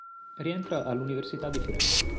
Rientra all'Università di Firenze.